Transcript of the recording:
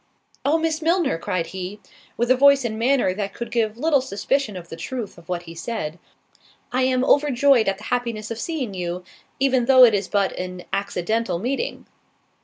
"Oh, Miss Milner," cried he, (with a voice and manner that could give little suspicion of the truth of what he said) "I am overjoyed at the happiness of seeing you, even though it is but an accidental meeting."